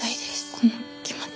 この気持ち。